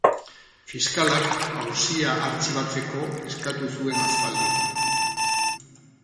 Fiskalak auzia artxibatzeko eskatu zuen aspaldi.